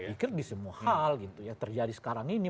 pikir di semua hal gitu ya terjadi sekarang ini